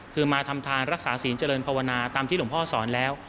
คือมาทำทานรักษาศีลเจริญภาวนาตามที่หลวงพ่อสอนแล้ว